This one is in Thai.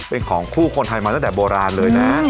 เป็นของคู่คนไทยมาตั้งแต่โบราณเลยนะ